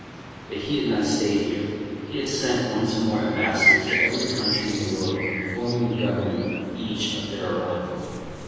But he had not stayed here. He had sent once more ambassadors to every country in the world, informing the Government of each of their arrival.